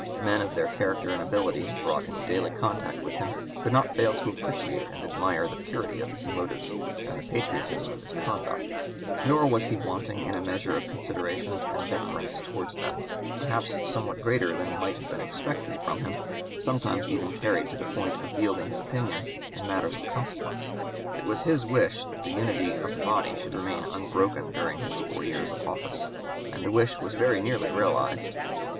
Men of their character and ability, brought into daily contact with him, could not fail to appreciate and admire the purity of his motives and the patriotism of his conduct; nor was he wanting in a measure of consideration and deference towards them perhaps somewhat greater than might have been expected from him, sometimes even carried to the point of yielding his opinion in (p. 205) matters of consequence. It was his wish that the unity of the body should remain unbroken during his four years of office, and the wish was very nearly realized.